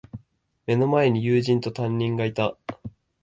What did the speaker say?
目の前に友人と、担任がいた。